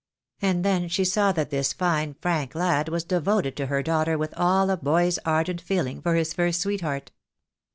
And then she saw that this fine, frank lad was devoted to her daughter with all a boy's ardent feeling for his first sweetheart.